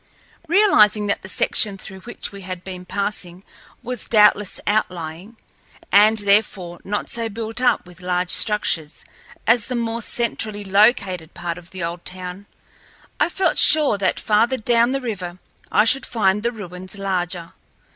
Realizing that the section through which we had been passing was doubtless outlying, and therefore not so built up with large structures as the more centrally located part of the old town, I felt sure that farther down the river I should find the ruins larger.